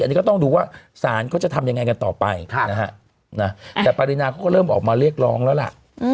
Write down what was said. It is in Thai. อันนี้ก็ต้องดูว่าสารเขาจะทำยังไงกันต่อไปนะฮะแต่ปรินาเขาก็เริ่มออกมาเรียกร้องแล้วล่ะ